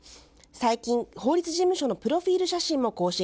最近、法律事務所のプロフィール写真も更新。